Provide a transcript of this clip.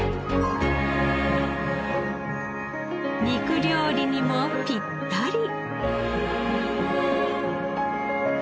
肉料理にもぴったり。